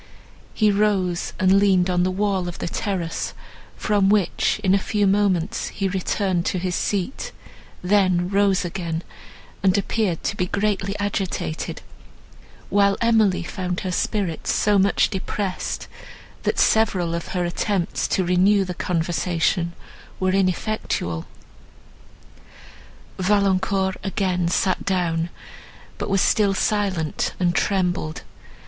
He rose, and leaned on the wall of the terrace, from which, in a few moments, he returned to his seat, then rose again, and appeared to be greatly agitated; while Emily found her spirits so much depressed, that several of her attempts to renew the conversation were ineffectual. Valancourt again sat down, but was still silent, and trembled.